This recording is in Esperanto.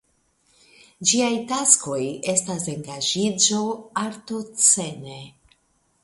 Ĝiaj taskoj estas engaĝiĝo artoscene.